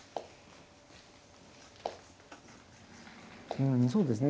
うんそうですね